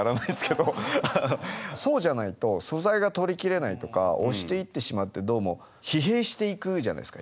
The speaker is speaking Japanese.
そうじゃないと素材が撮り切れないとか押していってしまってどうも疲弊していくじゃないですか。